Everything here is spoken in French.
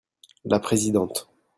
La présidente.